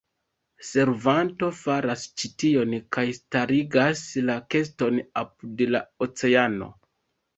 Servanto faras ĉi tion kaj starigas la keston apud la oceano.